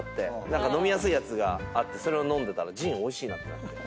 何か飲みやすいやつがあってそれ飲んでたらジンおいしいなってなって。